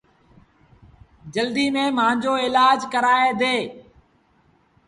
جلديٚ ميݩ مآݩجو ايلآج ڪرآيآندي